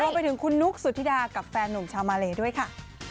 ไปถึงคุณนุ๊กสุธิดากับแฟนหนุ่มชาวมาเลด้วยค่ะ